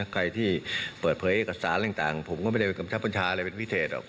ใครที่เปิดเผยเอกสารอะไรต่างผมก็ไม่ได้ไปกำชับบัญชาอะไรเป็นพิเศษหรอก